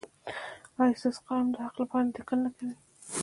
ایا ستاسو قلم د حق لپاره لیکل نه کوي؟